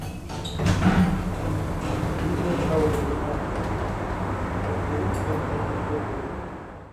Бийхэм дыкъаухъуреихьащ, къыттеуэну загъэхьэзыру фэ изоплъ.